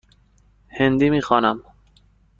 هندی می خوانم.